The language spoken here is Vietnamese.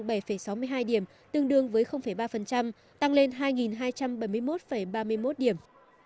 chỉ số s p năm trăm linh tăng bảy sáu mươi hai điểm tương đương với ba tăng lên hai hai trăm bảy mươi một ba mươi một điểm